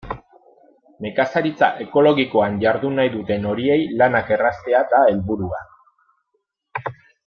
Nekazaritza ekologikoan jardun nahi duten horiei lanak erraztea da helburua.